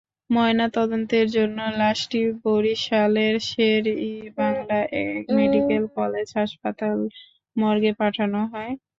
ময়নাতদন্তের জন্য লাশটি বরিশালের শের–ই–বাংলা মেডিকেল কলেজ হাসপাতাল মর্গে পাঠানো হয়।